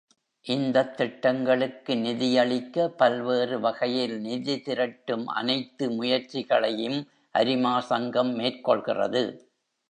இந்தத் திட்டங்களுக்கு நிதியளிக்க, பல்வேறு வகையில் நிதி திரட்டும் அனைத்து முயற்சிகளையும் அரிமா சங்கம் மேற்கொள்கிறது.